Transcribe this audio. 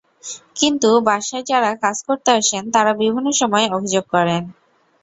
কিন্তু বাসায় যাঁরা কাজ করতে আসেন, তাঁরা বিভিন্ন সময় অভিযোগ করেন।